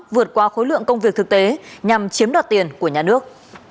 vượt qua khối lượng công việc thực tế nhằm chiếm đoạt tiền của nhà nước